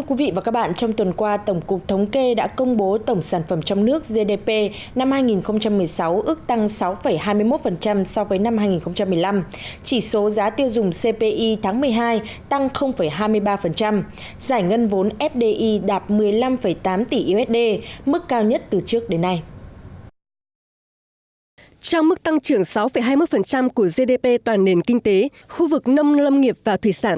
trong mức tăng trưởng sáu hai mươi của gdp toàn nền kinh tế khu vực nông lâm nghiệp và thủy sản